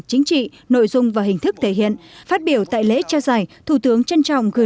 chính trị nội dung và hình thức thể hiện phát biểu tại lễ trao giải thủ tướng trân trọng gửi